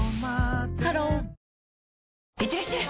ハローいってらっしゃい！